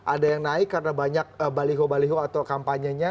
ada yang naik karena banyak baliho baliho atau kampanyenya